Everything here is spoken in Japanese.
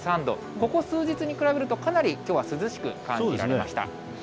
ここ数日に比べると、かなりきょうは涼しく感じられました。